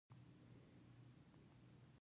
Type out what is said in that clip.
د اوبو بندونه د برق تولید، اوبو لګونی،